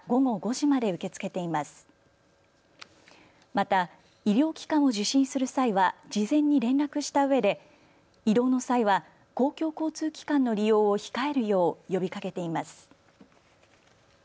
また医療機関を受診する際は事前に連絡したうえで移動の際は公共交通機関の利用を控えるよう呼びかけています。